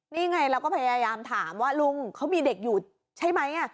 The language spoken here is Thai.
นี่ไงเราก็พยายามถามว่าลุงเขามีเด็กอยู่ใช่ไหม